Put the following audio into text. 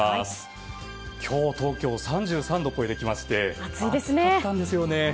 今日東京３３度を超えてきまして暑かったんですよね。